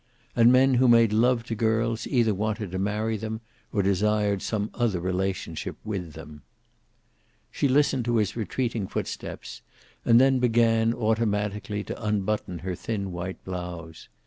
And men who made love to girls either wanted to marry them or desired some other relationship with them. She listened to his retreating footsteps, and then began, automatically to unbutton her thin white blouse.